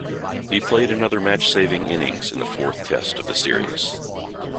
He played another match-saving innings in the fourth Test of the series.